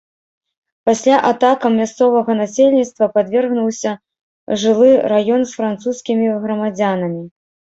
Пасля атакам мясцовага насельніцтва падвергнуўся жылы раён з французскімі грамадзянамі.